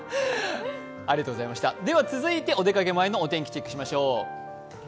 では続いてお出かけ前のお天気、チェックしましょう。